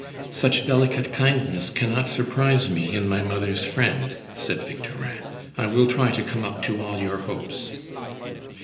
"Such delicate kindness cannot surprise me in my mother's friend," said Victorin. "I will try to come up to all your hopes."